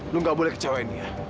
lu gak boleh kecewain dia